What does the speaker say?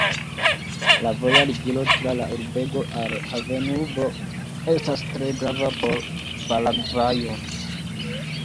La voja ligilo tra la urbego al havenurbo estas tre grava por Paragvajo.